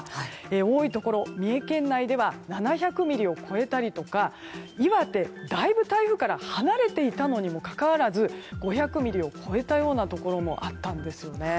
多いところ三重県内では７００ミリを超えたりとか岩手、だいぶ台風から離れていたのにもかかわらず５００ミリ超えたようなところもあったんですね。